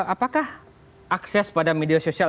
apakah akses pada media sosial